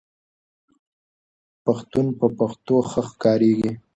پښتون په پښتو ښه ښکاریږي